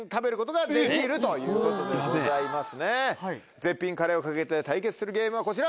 絶品カレーを懸けて対決するゲームはこちら。